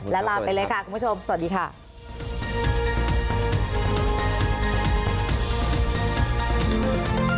แล้วลาไปเลยค่ะคุณผู้ชมสวัสดีค่ะ